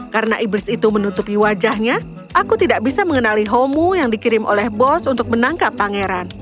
karena iblis itu menutupi wajahnya aku tidak bisa mengenali homo yang dikirim oleh bos untuk menangkap pangeran